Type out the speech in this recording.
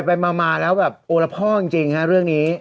มาแล้วแบบโอละพ่อจริงฮะเรื่องนี้